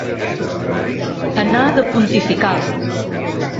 Anar de pontifical.